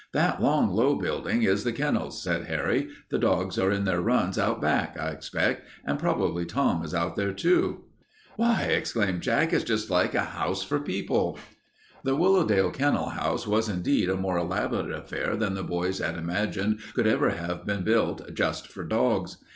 "That long low building is the kennels," said Harry. "The dogs are in their runs out back, I expect, and prob'ly Tom is out there, too." "Why!" exclaimed Jack, "it's just like a house for people." The Willowdale kennel house was indeed a more elaborate affair than the boys had imagined could ever have been built just for dogs.